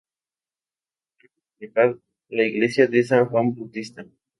Cabe destacar la iglesia de San Juan Bautista.